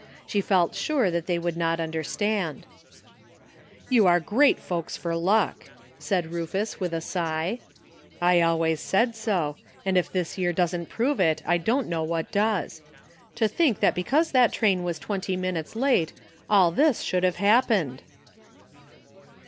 She felt sure that they would not understand. 874 AT LAST. *' You are great folks for luck," said Rufus, with a sigh ; "I always said so, and if this year doesn't prove it I don't know what does. To think that because that train was twenty minutes late all this should have happened